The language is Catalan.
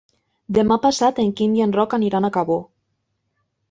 Demà passat en Quim i en Roc aniran a Cabó.